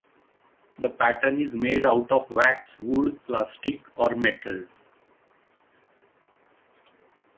The pattern is made out of wax, wood, plastic, or metal.